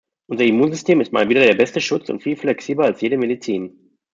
Unser Immunsystem ist mal wieder der beste Schutz und viel flexibler als jede Medizin.